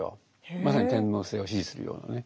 まさに天皇制を支持するようなね。